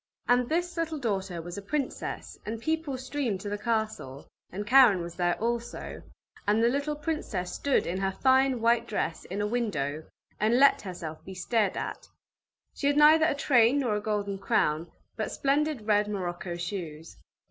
And this little daughter was a princess, and people streamed to the castle, and Karen was there also, and the little princess stood in her fine white dress, in a window, and let herself be stared at; she had neither a train nor a golden crown, but splendid red morocco shoes.